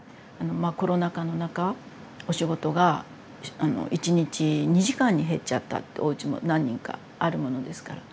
コロナ禍の中お仕事が１日２時間に減っちゃったっておうちも何人かあるものですから。